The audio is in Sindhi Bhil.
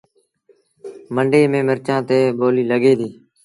منڊيٚ ميݩ مرچآݩ تي ٻوليٚ لڳي ديٚ